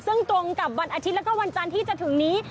ซึ่งตรงกับวันอาทิตย์แล้วก็วันจันทร์ที่จะถึงนี้